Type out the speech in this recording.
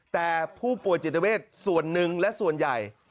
แต่ผู้ป่วยจิตเวทส่วนหนึ่งและส่วนใหญ่